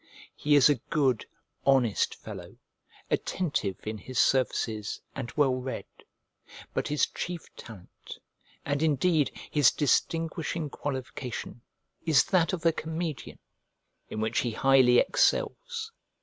He is a good, honest fellow, attentive in his services, and well read; but his chief talent, and indeed his distinguishing qualification, is that of a comedian, in which he highly excels.